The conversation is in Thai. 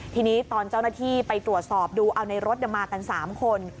ทีนี้ตอนเจ้าหน้าที่ไปตรวจสอบดูเอาในรถมากัน๓คน